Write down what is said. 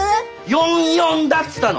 ４４だっつったの！